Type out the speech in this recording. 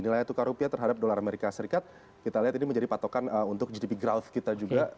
nilai tukar rupiah terhadap dolar amerika serikat kita lihat ini menjadi patokan untuk gdp growth kita juga